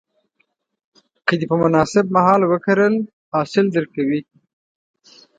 که دې په مناسب مهال وکرل، حاصل درکوي.